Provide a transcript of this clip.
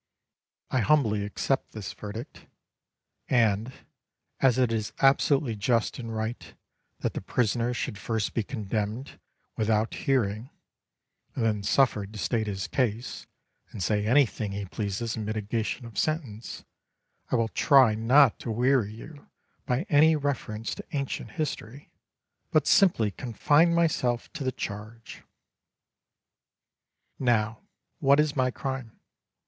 I humbly accept this verdict, and as it is absolutely just and right that the prisoner should first be condemned without hearing, and then suffered to state his case, and say anything he pleases in mitigation of sentence, I will try not to weary you by any reference to ancient history, but simply confine myself to the charge. Now, what is my crime?